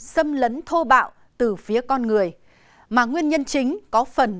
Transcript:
xâm lấn thô bạo từ phía con người mà nguyên nhân chính có phần